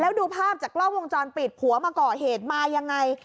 แล้วดูภาพจากกล้องวงจรปิดผัวมาก่อเหตุมายังไง